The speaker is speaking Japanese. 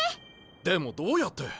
でもどうやって？